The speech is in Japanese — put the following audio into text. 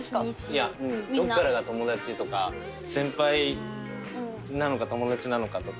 いやどっからが友達とか先輩なのか友達なのかとか。